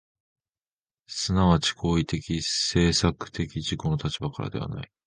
即ち行為的・制作的自己の立場からではない。